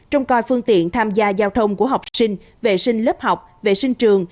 trong coi phương tiện tham gia giao thông của học sinh vệ sinh lớp học vệ sinh trường